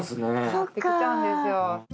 変わってきちゃうんですよ